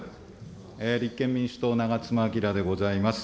立憲民主党、長妻昭でございます。